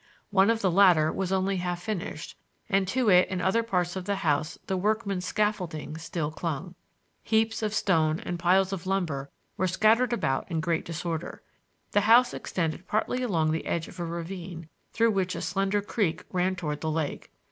One of the latter was only half finished, and to it and to other parts of the house the workmen's scaffolding still clung. Heaps of stone and piles of lumber were scattered about in great disorder. The house extended partly along the edge of a ravine, through which a slender creek ran toward the lake.